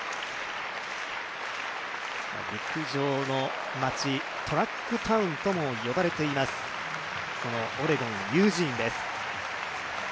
陸上の町、トラックタウンとも呼ばれています、このオレゴンのユージーンです。